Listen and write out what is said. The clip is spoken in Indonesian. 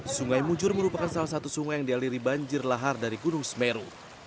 sungai mujur merupakan salah satu sungai yang dialiri banjir lahar dari gunung semeru